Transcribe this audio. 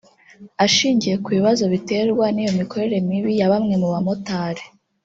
Ashingiye ku bibazo biterwa n’iyo mikorere mibi ya bamwe mu bamotari